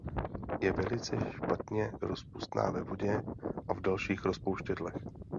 Je velice špatně rozpustná ve vodě a v dalších rozpouštědlech.